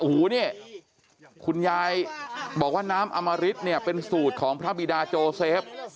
อู๋นี่คุณยายบอกว่าน้ำอ้ามาริดเป็นสูตรของพระมีดาโจเซฟ